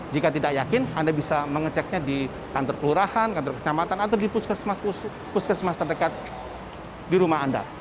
jika tidak yakin anda bisa mengeceknya di kantor kelurahan kantor kecamatan atau di puskesmas terdekat di rumah anda